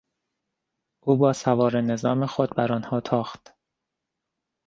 او با سواره نظام خود بر آنها تاخت.